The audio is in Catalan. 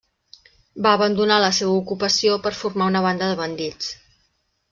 Va abandonar la seva ocupació per formar una banda de bandits.